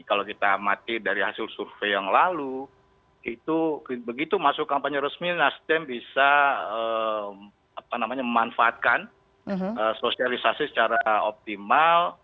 kalau kita amati dari hasil survei yang lalu itu begitu masuk kampanye resmi nasdem bisa memanfaatkan sosialisasi secara optimal